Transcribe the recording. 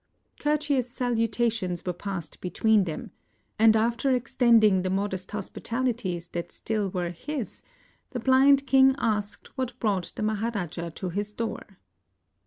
Courteous salutations were passed between them, and after extending the modest hospitalities that still were his, the blind king asked what brought the ^Maha raja to his door.